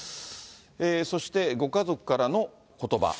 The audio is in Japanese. そして、ご家族からのことば。